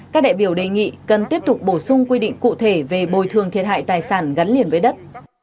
các đại biểu đề nghị cần tiếp tục bổ sung quy định cụ thể về bồi thường thiệt hại tài sản gắn liền với đất